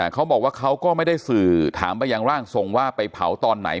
เขาบอกว่าเขาก็ไม่ได้สื่อถามไปอย่างร่างทรงว่าไปเผาตอนไหน